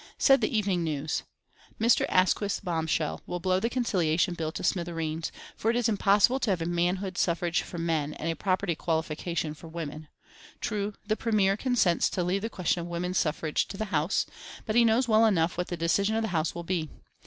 Said the Evening News: Mr. Asquith's bombshell will blow the Conciliation Bill to smithereens, for it is impossible to have a manhood suffrage for men and a property qualification for women. True, the Premier consents to leave the question of women's suffrage to the House, but he knows well enough what the decision of the House will be.